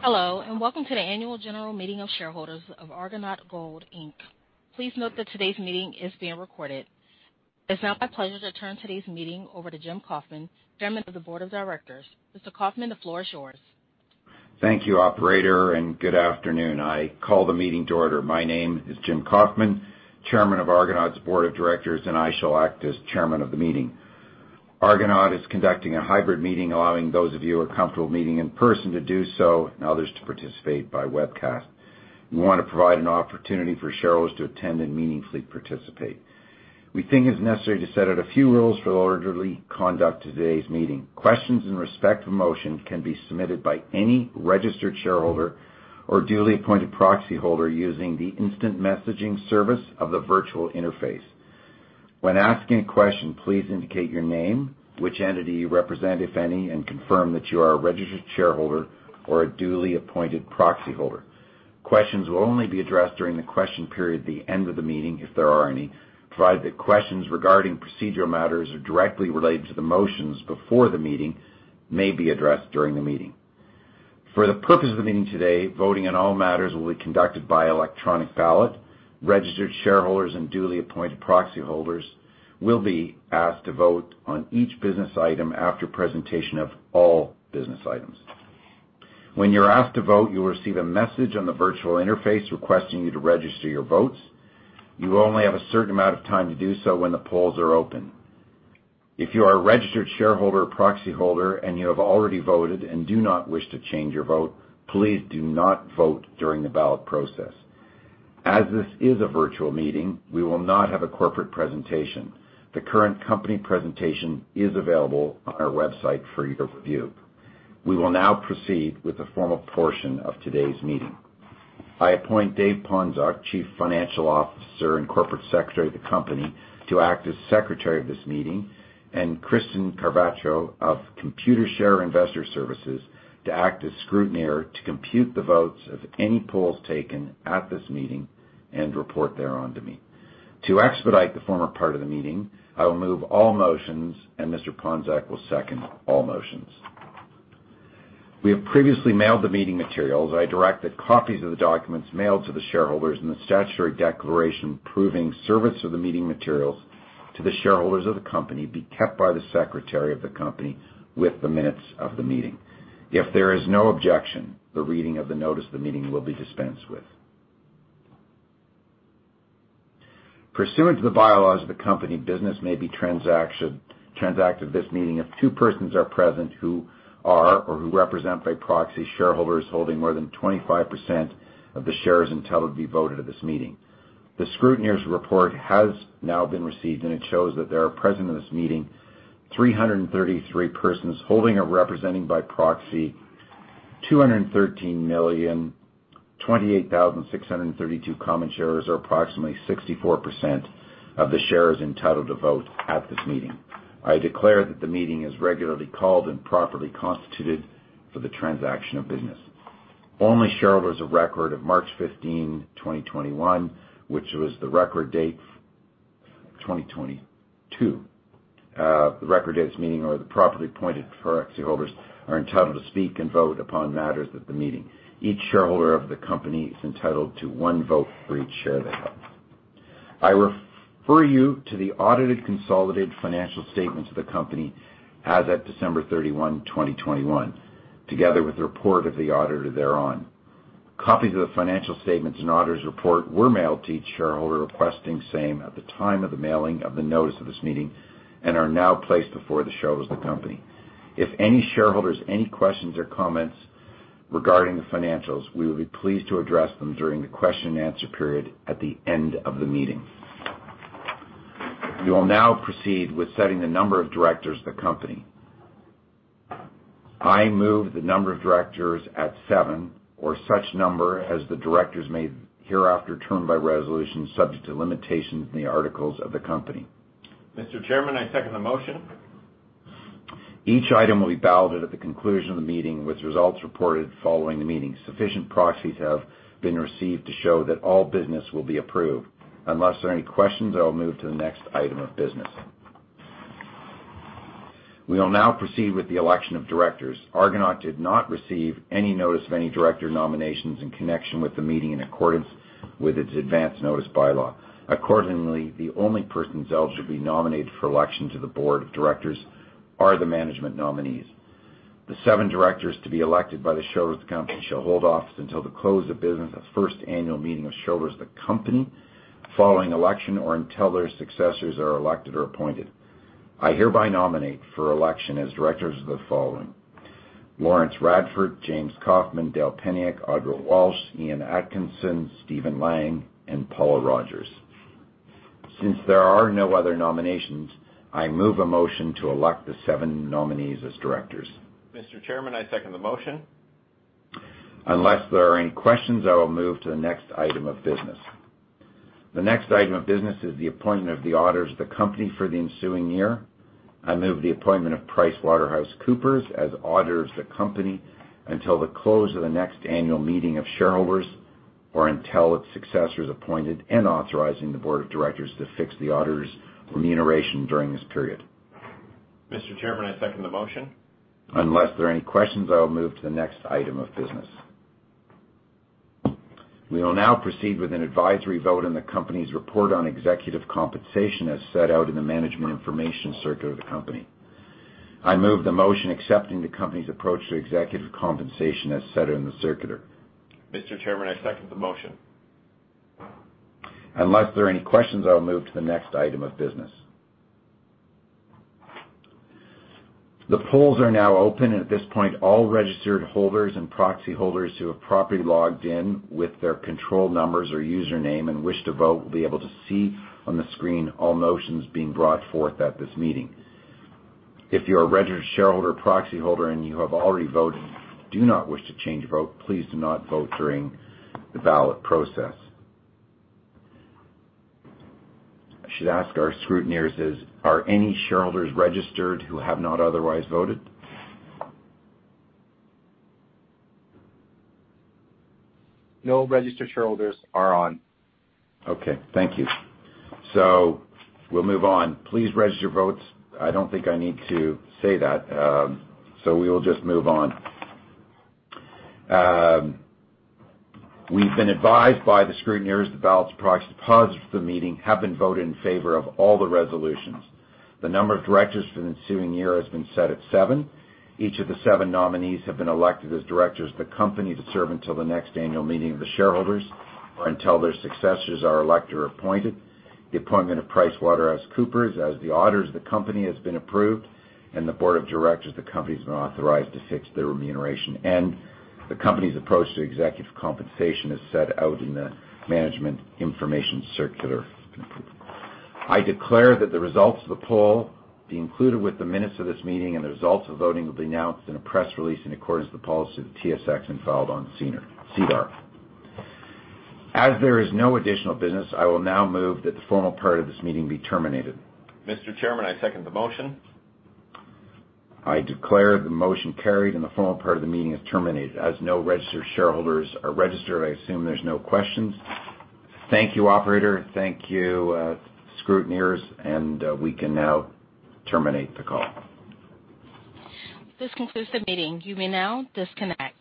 Hello, and welcome to the annual general meeting of shareholders of Argonaut Gold Inc. Please note that today's meeting is being recorded. It's now my pleasure to turn today's meeting over to Jim Kofman, Chairman of the Board of Directors. Mr. Kofman, the floor is yours. Thank you, operator, and good afternoon. I call the meeting to order. My name is Jim Kofman, Chairman of Argonaut's board of directors, and I shall act as Chairman of the meeting. Argonaut is conducting a hybrid meeting, allowing those of you who are comfortable meeting in person to do so and others to participate by webcast. We wanna provide an opportunity for shareholders to attend and meaningfully participate. We think it's necessary to set out a few rules for the orderly conduct of today's meeting. Questions and requests for motions can be submitted by any registered shareholder or duly appointed proxyholder using the instant messaging service of the virtual interface. When asking a question, please indicate your name, which entity you represent, if any, and confirm that you are a registered shareholder or a duly appointed proxyholder. Questions will only be addressed during the question period at the end of the meeting, if there are any, provided that questions regarding procedural matters are directly related to the motions before the meeting may be addressed during the meeting. For the purpose of the meeting today, voting on all matters will be conducted by electronic ballot. Registered shareholders and duly appointed proxyholders will be asked to vote on each business item after presentation of all business items. When you're asked to vote, you will receive a message on the virtual interface requesting you to register your votes. You only have a certain amount of time to do so when the polls are open. If you are a registered shareholder or proxyholder, and you have already voted and do not wish to change your vote, please do not vote during the ballot process. As this is a virtual meeting, we will not have a corporate presentation. The current company presentation is available on our website for your review. We will now proceed with the formal portion of today's meeting. I appoint David Ponzioch, Chief Financial Officer and Corporate Secretary of the company, to act as secretary of this meeting, and Kirsten Carvacho of Computershare Investor Services to act as scrutineer to compute the votes of any polls taken at this meeting and report thereon to me. To expedite the formal part of the meeting, I will move all motions, and Mr. Ponczoch will second all motions. We have previously mailed the meeting materials. I direct that copies of the documents mailed to the shareholders in the statutory declaration proving service of the meeting materials to the shareholders of the company be kept by the Secretary of the company with the minutes of the meeting. If there is no objection, the reading of the notice of the meeting will be dispensed with. Pursuant to the bylaws of the company, business may be transacted at this meeting if two persons are present who are, or who represent by proxy, shareholders holding more than 25% of the shares entitled to be voted at this meeting. The scrutineer's report has now been received, and it shows that there are present in this meeting 333 persons holding or representing by proxy 213,028,632 common shares, or approximately 64% of the shares entitled to vote at this meeting. I declare that the meeting is regularly called and properly constituted for the transaction of business. Only shareholders of record as of March 15, 2022, which was the record date for the meeting or the properly appointed proxyholders are entitled to speak and vote upon matters at the meeting. Each shareholder of the company is entitled to one vote for each share they have. I refer you to the audited consolidated financial statements of the company as at December 31, 2021, together with the report of the auditor thereon. Copies of the financial statements and auditor's report were mailed to each shareholder requesting same at the time of the mailing of the notice of this meeting and are now placed before the shareholders of the company. If any shareholder has any questions or comments regarding the financials, we will be pleased to address them during the question and answer period at the end of the meeting. We will now proceed with setting the number of directors of the company. I move the number of directors at seven or such number as the directors may hereafter determine by resolution subject to limitations in the articles of the company. Mr. Chairman, I second the motion. Each item will be balloted at the conclusion of the meeting, with results reported following the meeting. Sufficient proxies have been received to show that all business will be approved. Unless there are any questions, I will move to the next item of business. We will now proceed with the election of directors. Argonaut did not receive any notice of any director nominations in connection with the meeting in accordance with its advance notice bylaw. Accordingly, the only persons eligible to be nominated for election to the board of directors are the management nominees. The seven directors to be elected by the shareholders of the company shall hold office until the close of business of first annual meeting of shareholders of the company following election or until their successors are elected or appointed. I hereby nominate for election as directors of the following: Larry Radford, Jim Kofman, Dale C. Peniuk, Audra Walsh, Ian Atkinson, Stephen Lang, and Paula Rogers. Since there are no other nominations, I move a motion to elect the seven nominees as directors. Mr. Chairman, I second the motion. Unless there are any questions, I will move to the next item of business. The next item of business is the appointment of the auditors of the company for the ensuing year. I move the appointment of PricewaterhouseCoopers as auditors of the company until the close of the next annual meeting of shareholders or until its successors appointed and authorizing the board of directors to fix the auditors' remuneration during this period. Mr. Chairman, I second the motion. Unless there are any questions, I will move to the next item of business. We will now proceed with an advisory vote on the company's report on executive compensation as set out in the management information circular of the company. I move the motion accepting the company's approach to executive compensation as set out in the circular. Mr. Chairman, I second the motion. Unless there are any questions, I'll move to the next item of business. The polls are now open. At this point, all registered holders and proxy holders who have properly logged in with their control numbers or username and wish to vote will be able to see on the screen all motions being brought forth at this meeting. If you're a registered shareholder or proxy holder and you have already voted and do not wish to change your vote, please do not vote during the ballot process. I should ask our scrutineers this. Are any shareholders registered who have not otherwise voted? No registered shareholders are on. Okay, thank you. We'll move on. Please register your votes. I don't think I need to say that, so we will just move on. We've been advised by the scrutineers that ballots deposited at the meeting have been voted in favor of all the resolutions. The number of directors for the ensuing year has been set at seven. Each of the seven nominees have been elected as directors of the company to serve until the next annual meeting of the shareholders or until their successors are elected or appointed. The appointment of PricewaterhouseCoopers as the auditors of the company has been approved, and the board of directors of the company has been authorized to fix their remuneration. The company's approach to executive compensation as set out in the management information circular has been approved. I declare that the results of the poll be included with the minutes of this meeting and the results of voting will be announced in a press release in accordance with the policy of the TSX and filed on SEDAR. As there is no additional business, I will now move that the formal part of this meeting be terminated. Mr. Chairman, I second the motion. I declare the motion carried and the formal part of the meeting is terminated. As no registered shareholders are registered, I assume there's no questions. Thank you, operator. Thank you, scrutineers, and we can now terminate the call. This concludes the meeting. You may now disconnect.